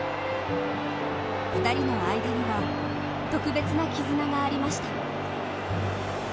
２人の間には特別な絆がありました。